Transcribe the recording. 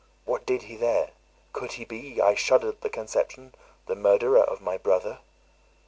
What did he there? Could he be (I shuddered at the conception) the murderer of my brother?